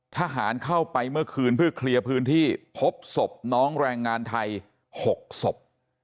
ทหารเข้าไปเมื่อคืนเพื่อเคลียร์พื้นที่พบศพน้องแรงงานไทย๖ศพ